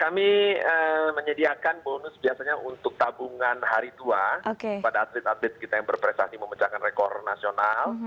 kami menyediakan bonus biasanya untuk tabungan hari tua pada atlet atlet kita yang berprestasi memecahkan rekor nasional